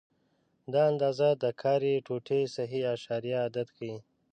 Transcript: دا اندازه د کاري ټوټې صحیح اعشاریه عدد ښيي.